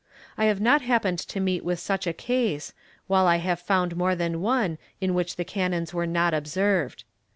I have not happened to meet with such a case, while I have found more than one in which the canons were not observed.